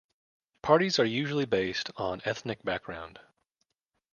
Parties are usually based on ethnic background.